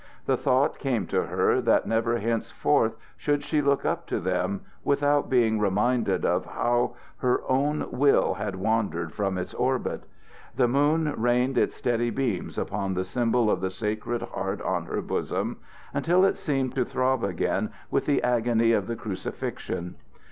The thought came to her that never henceforth should she look up to them without being reminded of how her own will had wandered from its orbit. The moon rained its steady beams upon the symbol of the sacred heart on her bosom, until it seemed to throb again with the agony of the crucifixion.